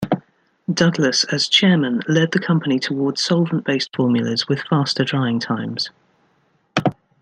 Douglas, as chairman, led the company toward solvent-based formulas with faster drying times.